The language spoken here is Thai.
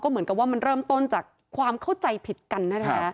เหมือนกับว่ามันเริ่มต้นจากความเข้าใจผิดกันนะคะ